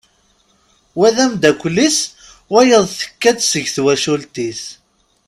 Wa d amddakel-is wayeḍ tekka-d seg twacult-is.